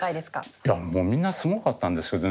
いやもうみんなすごかったんですけどね